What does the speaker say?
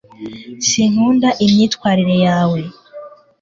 sinkunda imyitwarire yawe